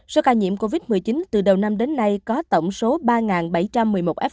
số ca nhiễm covid một mươi chín từ đầu năm đến nay có tổng số ba bảy trăm một mươi một f